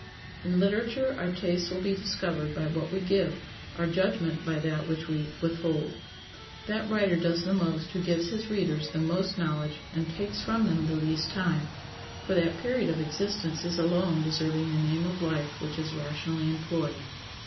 In literature our tastes will be discovered by what we give, our judgment by that which we withhold. That writer does the most who gives his readers the most knowledge and takes from them the least time, for that period of existence is alone deserving the name of life which is rationally employed.